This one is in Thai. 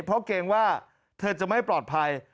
เพราะเกรงว่าเธอจะไม่ปลอดภัย